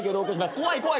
怖い怖い。